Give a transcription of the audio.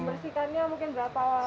membersihkannya mungkin berapa lama kali